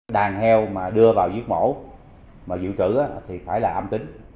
đàn heo mà đưa vào giết mổ mà dự trữ thì phải là âm tính